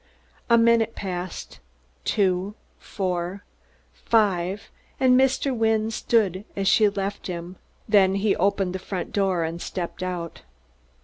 A minute passed two, four, five and Mr. Wynne stood as she left him, then he opened the front door and stepped out.